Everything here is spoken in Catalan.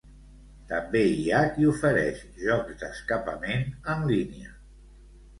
També hi ha qui ofereix jocs d'escapament en línia.